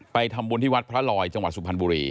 ทำบุญที่วัดพระลอยจังหวัดสุพรรณบุรี